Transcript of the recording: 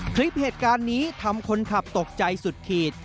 คลิปเหตุการณ์นี้ทำคนขับตกใจสุดขีด